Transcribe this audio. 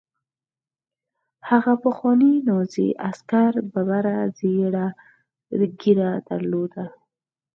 هغه پخواني نازي عسکر ببره زیړه ږیره درلوده